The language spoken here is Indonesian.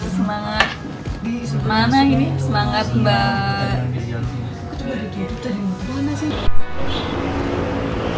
semangat mana ini semangat mbak